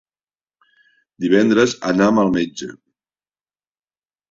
Divendres anam al metge.